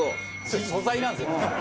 それ素材なんですよね。